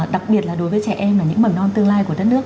đặc biệt là đối với trẻ em ở những mầm non tương lai của đất nước